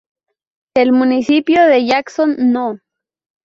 El municipio de Jackson No.